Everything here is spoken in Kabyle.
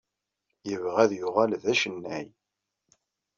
Yebɣa ad yuɣal d acennay.